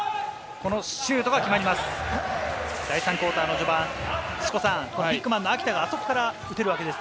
このシュートが決まります。